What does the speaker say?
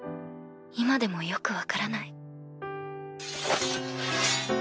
今でもよく分からない。